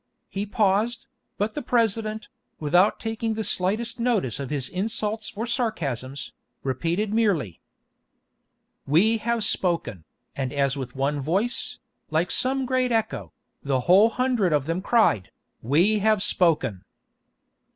He paused, but the President, without taking the slightest notice of his insults or sarcasms, repeated merely: "We have spoken," and as with one voice, like some great echo, the whole hundred of them cried, "We have spoken!"